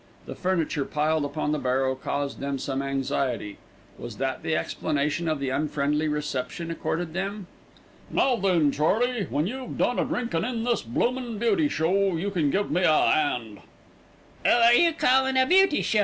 The furniture piled upon the barrow caused them some anxiety. Was that the explanation of the unfriendly reception accorded them? "Now then, Charley, when you've done a drinkin' in this bloomin' beauty show, you can give me a 'and." "'Oo are you calling a beauty show?"